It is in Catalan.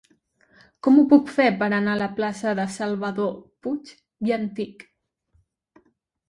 Com ho puc fer per anar a la plaça de Salvador Puig i Antich?